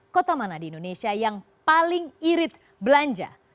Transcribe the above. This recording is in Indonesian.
kota mana di indonesia yang paling irit belanja